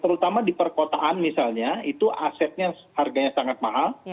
terutama di perkotaan misalnya itu asetnya harganya sangat mahal